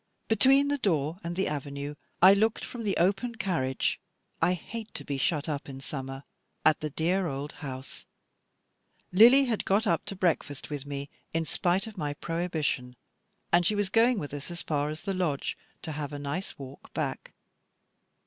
Between the door and the avenue, I looked from the open carriage I hate to be shut up in summer at the dear old house. Lily had got up to breakfast with me, in spite of my prohibition; and she was going with us as far as the lodge, to have a nice walk back.